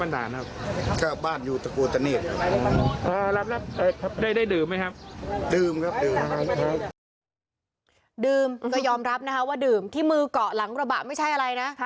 ดื่มก็ยอมรับนะคะว่าดื่มที่มือเกาะหลังกระบะไม่ใช่อะไรนะ